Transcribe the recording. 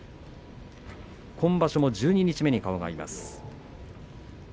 今場所も十二日目に顔が合います。